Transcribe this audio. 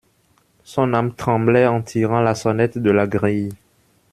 Son âme tremblait en tirant la sonnette de la grille.